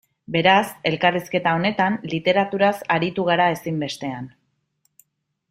Beraz, elkarrizketa honetan, literaturaz aritu gara ezinbestean.